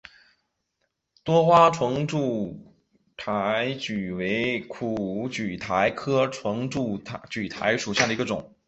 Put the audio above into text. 多花唇柱苣苔为苦苣苔科唇柱苣苔属下的一个种。